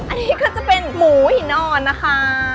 อันนี้ก็จะเป็นหมูหินอ่อนนะคะ